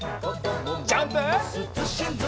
ジャンプ！